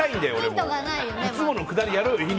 いつものくだりやろうよ。